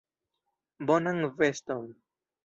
Bonan veston.